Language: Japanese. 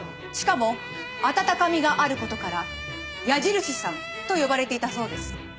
しかも温かみがある事から矢印さんと呼ばれていたそうです。